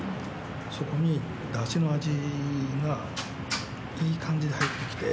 そこに、だしの味が、いい感じで入ってきて。